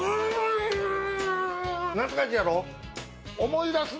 思い出す？